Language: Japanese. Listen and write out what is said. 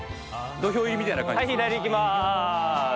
土俵入りみたいな感じですよ。